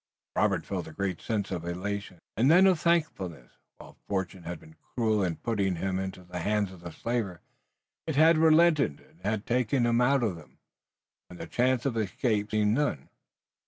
Robert felt a great sense of elation, and then of thankfulness. While fortune had been cruel in putting him into the hands of the slaver, it had relented and had taken him out of them, when the chance of escape seemed none.